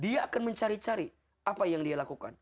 dia akan mencari cari apa yang dia lakukan